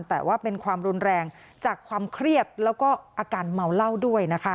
แต่ว่าเป็นความรุนแรงจากความเครียดและอาการเหมาเล่า